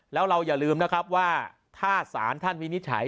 แล้วเราอย่าลืมนะครับว่าถ้าสารท่านวินิจฉัย